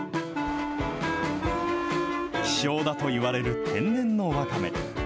希少だといわれる天然のわかめ。